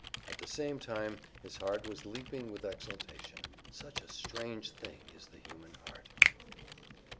At the same time his heart was leaping with exultation such a strange thing is the human heart!